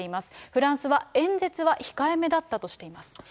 フランスは演説は控えめだったとしています。